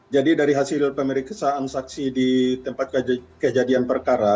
jadi dari hasil pemeriksaan saksi di tempat kejadian perkara